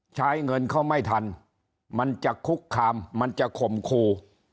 ใช้เงินเขาไม่ทันมันจะคุกคามมันจะข่มครู